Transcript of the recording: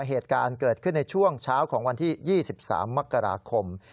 เหตุการณ์เกิดขึ้นในช่วงเช้าของวันที่๒๓มกราคม